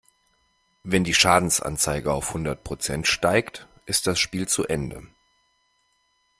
Wenn die Schadensanzeige auf hundert Prozent steigt, ist das Spiel zu Ende.